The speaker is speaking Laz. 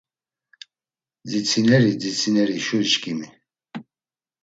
Dzitsineri dzitsineri şuriçkimi.